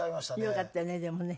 よかったねでもね。